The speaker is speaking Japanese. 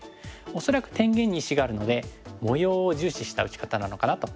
恐らく天元に石があるので模様を重視した打ち方なのかなと思います。